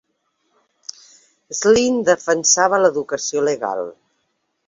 Slynn defensava l'educació legal.